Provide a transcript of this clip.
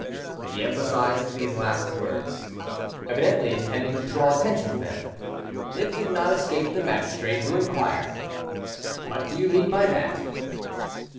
He emphasised these last words, evidently intending to draw attention to them. It did not escape the magistrate, who inquired— "What do you mean by that?"